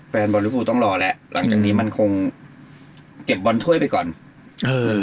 แฟนบอลลิฟูต้องรอแล้วหลังจากนี้มันคงเก็บบอลถ้วยไปก่อนเออ